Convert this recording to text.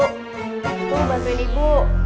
itu bantuin ibu